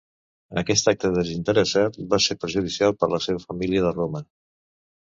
Aquest acte desinteressat va ser perjudicial per a la seva família de Roma.